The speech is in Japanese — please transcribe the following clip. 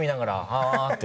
はあって。